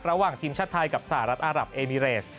ระหว่างทีมชาติไทยกับสหรัฐอารับเอมิเรส